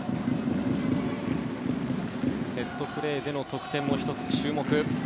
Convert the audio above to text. セットプレーでの得点も１つ注目。